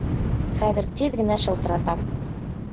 Хәҙер тиҙ генә шылтыратам!